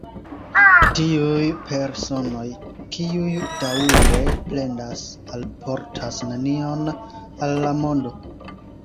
Tiuj personoj, kiuj daŭre plendas, alportas nenion al la mondo.